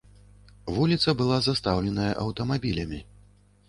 Вуліца была застаўленая аўтамабілямі.